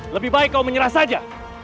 lebih baik kau menyerah saja